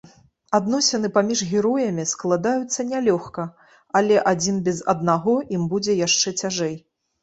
Адносіны паміж героямі складаюцца нялёгка, але адзін без аднаго ім будзе яшчэ цяжэй.